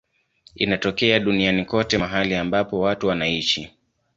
Inatokea duniani kote mahali ambapo watu wanaishi.